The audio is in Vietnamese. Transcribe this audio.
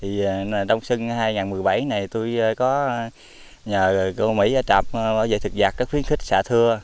vì trong sân hai nghìn một mươi bảy này tôi có nhờ cô mỹ ở trạm bảo vệ thực vật rất khuyến khích xạ thưa